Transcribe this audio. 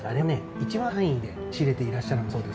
１羽単位で仕入れていらっしゃるんだそうです。